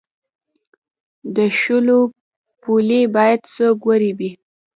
د شولو پولې باید څوک وریبي؟